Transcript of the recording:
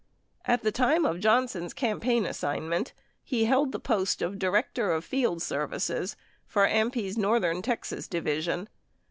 At the time, of Johnson's campaign assignment, he held the post of Director of Field Services for AMPI's northern Texas division.